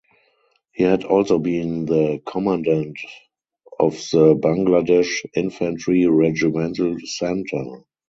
He had also been the Commandant of the Bangladesh Infantry Regimental Center.